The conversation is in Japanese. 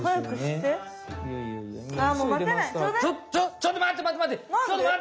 ちょっとまってまってまって！